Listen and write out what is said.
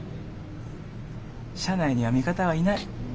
社内には味方はいない。